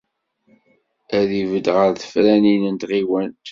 Ad d-ibedd ɣer tefranin n tɣiwant.